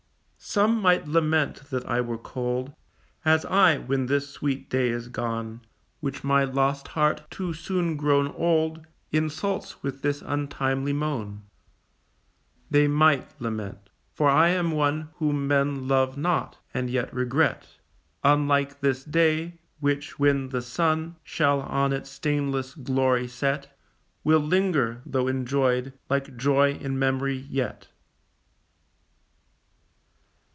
Some might lament that I were cold, As I, when this sweet day is gone, Which my lost heart, too soon grown old, Insults with this untimely moan; They might lament for I am one Whom men love not, and yet regret, Unlike this day, which, when the sun Shall on its stainless glory set, Will linger, though enjoyed, like joy in memory yet.